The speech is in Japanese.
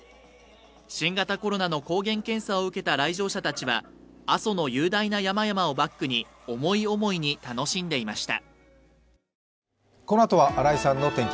新型コロナの抗原検査を受けた来場者たちは阿蘇の雄大な山々をバックに思い思いに楽しんでいました。